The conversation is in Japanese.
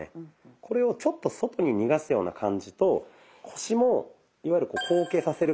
これをちょっと外に逃がすような感じと腰もいわゆる後傾させる